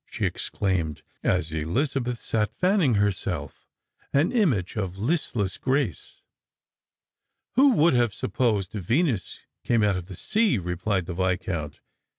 she exclaimed, as Elizabeth sat fanning herself, an image of listless grace. " Who would have supposed Venus came out of the sea !" r<'plied the Viscount.